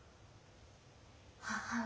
母上。